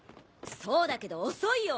そうだけど遅いよ！